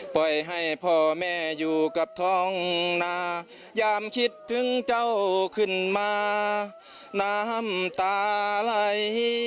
ปล่อยให้พ่อแม่อยู่กับท้องนายามคิดถึงเจ้าขึ้นมาน้ำตาไหล